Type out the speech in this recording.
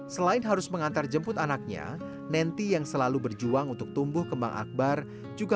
selain harus mengantar jemput anaknya nenty yang selalu berjuang untuk tumbuh kembang akbar juga